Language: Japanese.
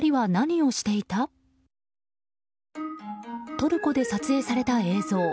トルコで撮影された映像。